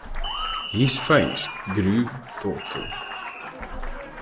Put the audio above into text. His face grew thoughtful.